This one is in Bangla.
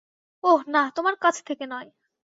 ওহ, না, তোমার কাছ থেকে নয়।